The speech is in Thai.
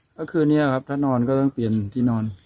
เมื่อคืนนี้ครับถ้านอนก็ต้องเปลี่ยนที่นอน